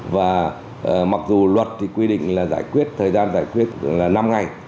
và mặc dù luật thì quy định là giải quyết thời gian giải quyết năm ngày